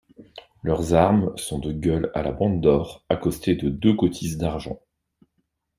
Leurs armes sont de gueules à la bande d'or, accostée de deux cotices d'argent.